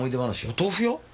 お豆腐屋？